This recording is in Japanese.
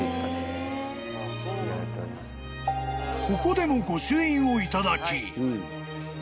［ここでも御朱印を頂き］